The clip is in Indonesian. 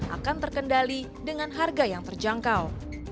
akan terkendali dengan harga yang terjangkau